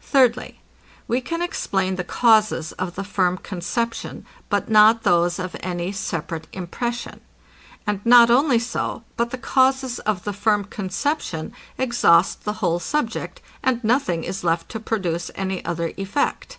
Thirdly, We can explain the causes of the firm conception, but not those of any separate impression. And not only so, but the causes of the firm conception exhaust the whole subject, and nothing is left to produce any other effect.